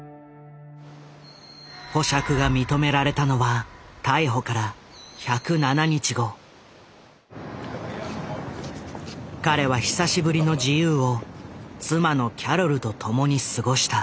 保釈が認められたのは彼は久しぶりの自由を妻のキャロルと共に過ごした。